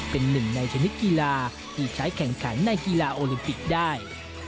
เป็นหนึ่งในชนิดกีฬาที่ใช้แข่งขันในกีฬาโอลิมปิกได้